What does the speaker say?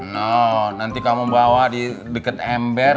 no nanti kamu bawa di deket ember